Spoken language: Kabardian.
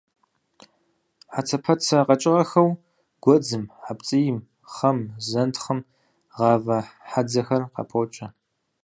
Хьэцэпэцэ къэкӀыгъэхэу гуэдзым, хьэпцӀийм, хъэм, зентхъым гъавэ хьэдзэхэр къапокӀэ.